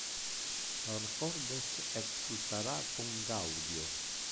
Lor cordes exultara con gaudio!